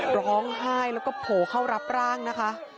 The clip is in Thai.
ร้องไห้แล้วก็โผล่เข้ารับร่างนะคะ